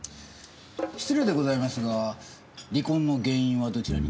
失礼でございますが離婚の原因はどちらに？